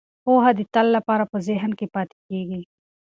پوهه د تل لپاره په ذهن کې پاتې کیږي.